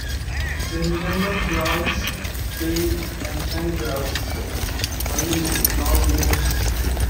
They resemble grouse, quail and sandgrouse, only with long wings.